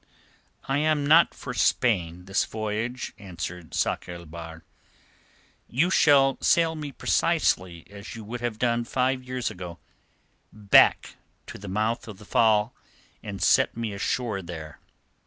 "I am not for Spain this voyage," answered Sakr el Bahr. "You shall sail me precisely as you would have done five years ago, back to the mouth of the Fal, and set me ashore there.